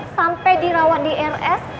sampe dirawat di rs